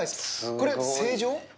これ、正常？